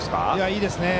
いいですね。